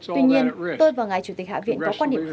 tuy nhiên tôi và ngài chủ tịch hạ viện có quan điểm khác